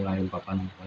lalu papan selancar